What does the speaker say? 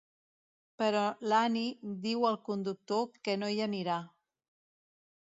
Però l'Annie diu al conductor que no hi anirà.